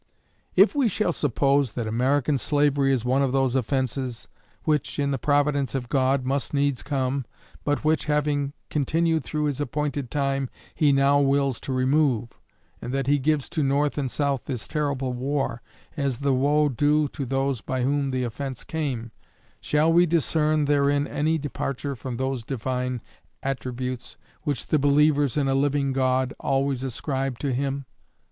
If we shall suppose that American slavery is one of those offenses, which, in the Providence of God, must needs come, but which, having continued through His appointed time, He now wills to remove, and that He gives to North and South this terrible war, as the woe due to those by whom the offense came, shall we discern therein any departure from those Divine attributes which the believers in a living God always ascribe to Him?